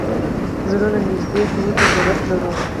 زړونو نېږدې کولو ته ضرورت لرو.